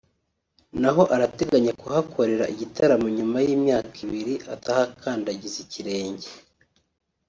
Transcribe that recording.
naho arateganya kuhakorera igitaramo nyuma y’imyaka ibiri atahakandagiza ikirenge